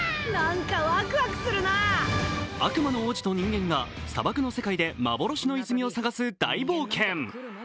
悪魔の王子と人間が砂漠の世界で、幻の泉を探す大冒険。